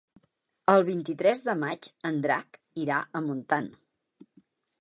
El vint-i-tres de maig en Drac irà a Montant.